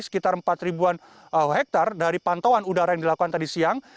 sekitar empat ribuan hektare dari pantauan udara yang dilakukan tadi siang